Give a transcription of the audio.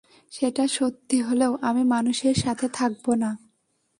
সেটা সত্যি হলেও, আমি মানুষের সাথে থাকবো না।